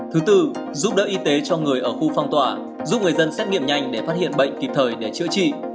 thứ tư giúp đỡ y tế cho người ở khu phong tỏa giúp người dân xét nghiệm nhanh để phát hiện bệnh kịp thời để chữa trị